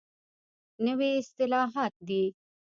نوي اصطلاحات دي.